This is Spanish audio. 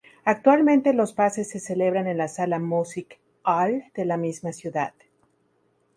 Actualmente los pases se celebran en la sala Music Hall de la misma ciudad.